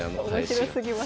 面白すぎます。